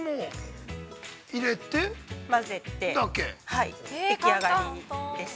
◆はい、でき上がりです。